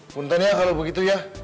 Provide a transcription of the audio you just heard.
bunten ya kalau begitu ya